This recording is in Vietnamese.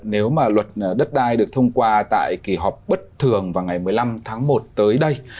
nếu mà luật đất đai được thông qua tại kỳ họp bất thường vào ngày một mươi năm tháng một tới đây